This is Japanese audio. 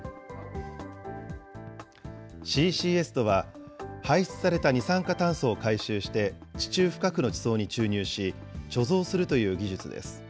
ＣＣＳとは、排出された二酸化炭素を回収して、地中深くの地層に注入し、貯蔵するという技術です。